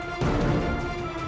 aku akan buktikan